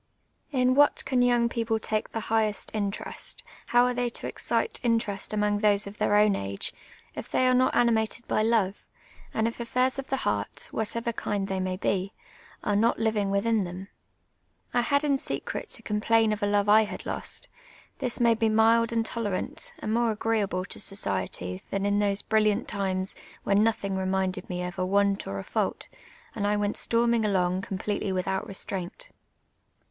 In what can young people take the highest interest, how are they to excite interest among tliose of tlieir o\m age, if they are not animated by love, and if affairs of the heart, of whatever kind they may be, are not living within them ? I had in secret to com])lain of a love I had lost ; this made mc mild and tolerant, and more agreeable to society tlian in those brilliant times when nothing reminded me of a want or a fault, and I went storming along completely without restraint.